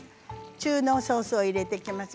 中濃ソースを入れていきます。